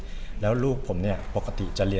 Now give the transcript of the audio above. ก็คือทำไมผมถึงไปยื่นคำร้องต่อสารเนี่ย